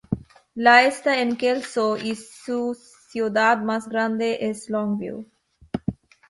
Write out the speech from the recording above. La está en Kelso, y su ciudad más grande es Longview.